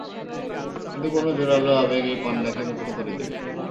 কিন্তু কোনো জোরালো আবেগ এই পান্ডাকে মুক্ত করে দেবে।